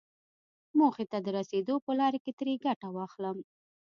موخې ته د رسېدو په لاره کې ترې ګټه واخلم.